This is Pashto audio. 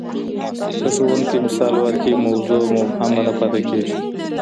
که ښوونکی مثال ورکړي، موضوع مبهمه نه پاتې کېږي.